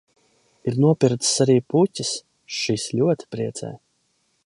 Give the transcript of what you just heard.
Ir nopircis arī puķes, šis ļoti priecē.